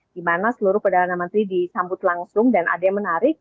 di mana seluruh perdana menteri disambut langsung dan ada yang menarik